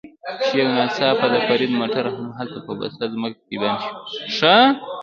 چې یو ناڅاپه د فرید موټر همالته په پسته ځمکه کې بند شو.